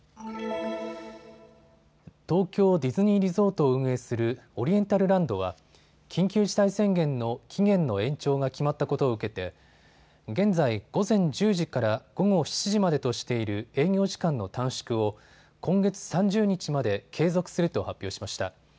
東京ディズニーリゾートを運営するオリエンタルランドは緊急事態宣言の期限の延長が決まったことを受けて現在、午前１０時から午後７時までとしている営業時間の短縮を今月３０日まで継続すると発表しました。